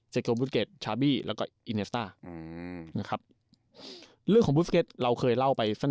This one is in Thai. เจโกพุสเก็ตแล้วก็นะครับเรื่องของเราเคยเล่าไปสั้น